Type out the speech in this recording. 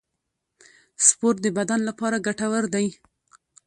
سپورت د بدن لپاره ګټور دی